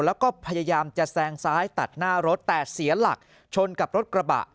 แล้วก็พยายามจะแซงซ้ายตัดหน้ารถแต่เสียหลักชนกับรถกระบะ